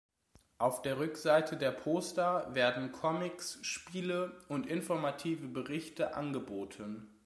Auf der Rückseite der Poster werden Comics, Spiele und informative Berichte angeboten.